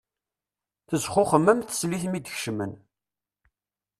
Tezxuxem am teslit mi d-kecmen.